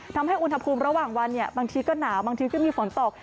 ทำให้อุณหภูมิระหว่างวันเนี่ยบางทีก็หนาวบางทีก็มีฝนตก